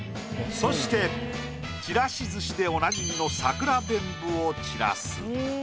そしてちらし寿司でおなじみの桜でんぶを散らす。